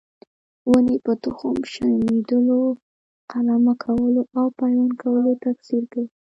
ونې په تخم شیندلو، قلمه کولو او پیوند کولو تکثیر کوي.